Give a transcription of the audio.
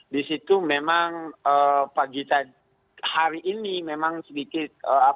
di situ memang pagi hari ini memang sedikit